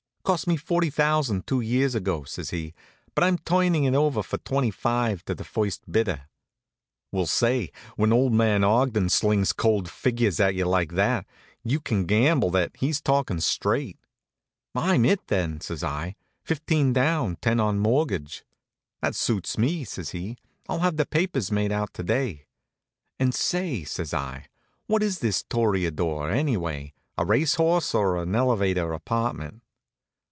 "Cost me forty thousand two years ago," says he, "but I'm turning it over for twenty five to the first bidder." Well, say, when old man Ogden slings cold figures at you like that, you can gamble that he's talkin' straight. "I'm it, then," says I. "Fifteen down, ten on mortgage." "That suits me," says he. "I'll have the papers made out to day." "And say," says I, "what is this Toreador, anyway; a race horse, or an elevator apartment?"